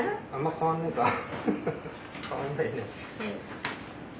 変わんないね。